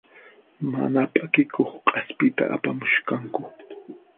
Mana p'akikuq k'aspita apamusqaku.